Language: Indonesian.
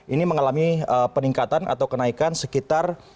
ini mengalami peningkatan atau kenaikan sekitar empat ratus juta